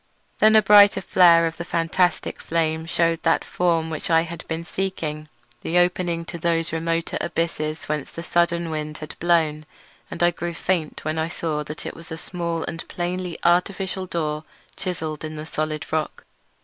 Then a brighter flare of the fantastic flame shewed me that for which I had been seeking, the opening to those remoter abysses whence the sudden wind had blown; and I grew faint when I saw that it was a small and plainly artificial door chiselled in the solid rock.